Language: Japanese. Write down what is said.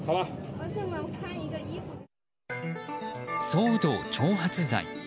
騒動挑発罪。